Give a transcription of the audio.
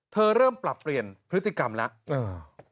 เริ่มปรับเปลี่ยนพฤติกรรมแล้ว